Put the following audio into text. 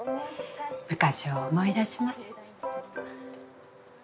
昔を思い出します。